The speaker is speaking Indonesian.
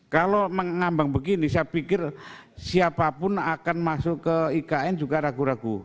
kalau mengambang begini saya pikir siapapun akan masuk ke ikn juga ragu ragu